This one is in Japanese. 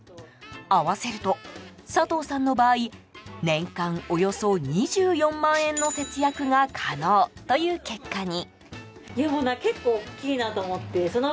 合わせると佐藤さんの場合年間およそ２４万円の節約が可能という結果に。